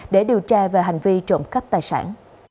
để điều tra về hành vi trộm cắp tài sản